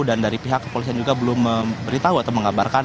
dan dari pihak kepolisian juga belum memberitahu atau menggabarkan